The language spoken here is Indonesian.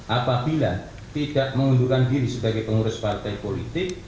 apabila tidak mengundurkan diri sebagai pengurus partai politik